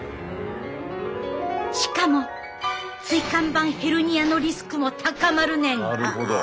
しかも椎間板ヘルニアのリスクも高まるねん。